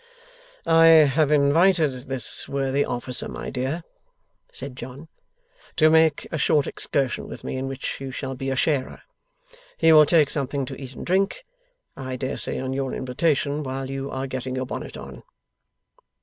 'I have invited this worthy officer, my dear,' said John, 'to make a short excursion with me in which you shall be a sharer. He will take something to eat and drink, I dare say, on your invitation, while you are getting your bonnet on.